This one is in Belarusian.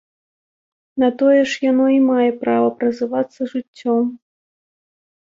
На тое ж яно і мае права празывацца жыццём.